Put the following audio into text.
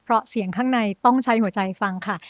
เพราะเสียงข้างในต้องใช้หัวใจฟังค่ะ